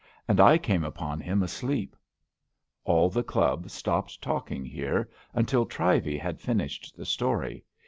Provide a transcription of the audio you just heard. And I came upon him asleep." All the Club stopped talking here, until Trivey had finished the story.